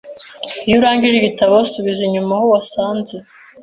Iyo urangije igitabo, subiza inyuma aho wasanze.